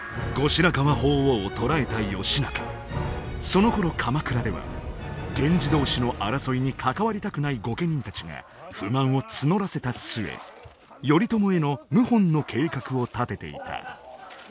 そのころ鎌倉では源氏同士の争いに関わりたくない御家人たちが不満を募らせた末頼朝への謀反の計画を立てていた。